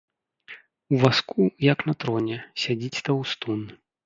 У вазку, як на троне, сядзіць таўстун.